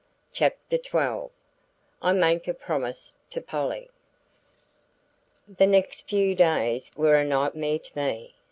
CHAPTER XII I MAKE A PROMISE TO POLLY The next few days were a nightmare to me.